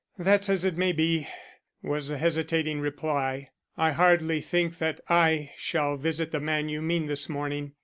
"That's as it may be," was the hesitating reply. "I hardly think that I shall visit the man you mean this morning.